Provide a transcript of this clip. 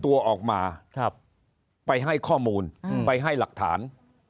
ตัวออกมาไปให้ข้อมูลไปให้หลักฐาน